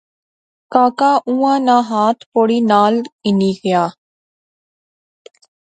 کاکا اُںاں نا ہتھ پوڑی نال ہنی غیا